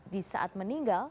di saat meninggal